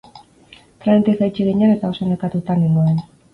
Trenetik jaitsi ginen eta oso nekatuta nengoan.